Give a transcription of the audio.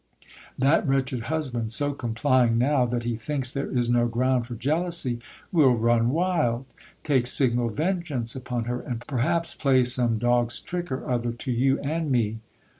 That ;vretched husband, so complying now that he thinks there is no ground for jealousy, will run wild, take signal vengeance upon her, and perhaps play some dog's trick or other to you and me.